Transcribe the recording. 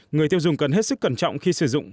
người tiêu dùng cần hết sức cẩn trọng khi sử dụng